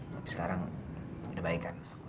tapi sekarang sudah baik kan